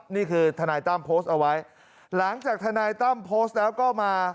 ทนายตั้มโพสต์เอาไว้หลังจากทนายตั้มโพสต์แล้วก็มา